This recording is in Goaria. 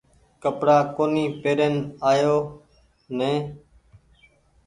ڪپڙآ ڪونيٚ پيرين آيو نئي ۔